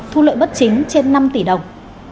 thu lợi bất chính trên năm tỷ đồng